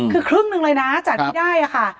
คือครึ่งหนึ่งเลยนะจากที่ได้ค่ะ